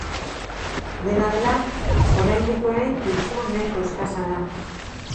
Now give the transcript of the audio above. Dena dela, oraindik-orain turismo nahiko eskasa da.